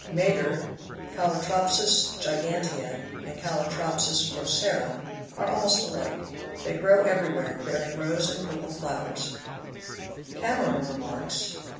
f Madar, Calotropis gigantea and Calotropis procera (Hrukam, Tam. are almost alike; they grow every where, bearing rose and purple flower Cameron " remarks, p.